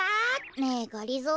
ねえがりぞー。